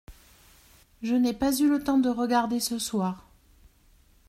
Je n’ai pas eu le temps de regarder ce soir.